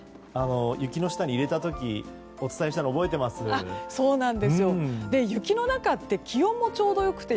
雪の下に入れた時お伝えしたのを覚えています。